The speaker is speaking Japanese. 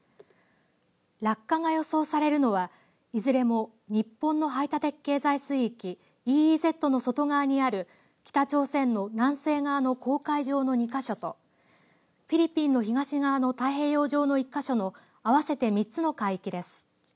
落下が予想されるのはいずれも日本の排他的経済水域ＥＥＺの外側にある北朝鮮の南西側の黄海上の２か所とフィリピンの東側の太平洋上の１か所の合わせて３つの海域です。